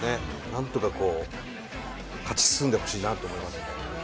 なんとか勝ち進んでほしいなと思います。